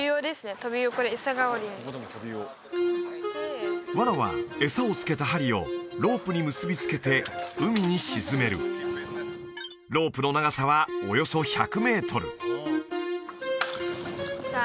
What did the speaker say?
トビウオこれ餌代わりにワナは餌を付けた針をロープに結び付けて海に沈めるロープの長さはおよそ１００メートルさあ